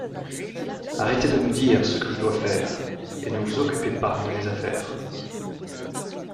Arrêtez de me dire ce que je dois faire et ne vous occupez pas de mes affaires.